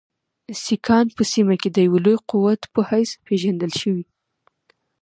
سیکهان په سیمه کې د یوه لوی قوت په حیث پېژندل شوي.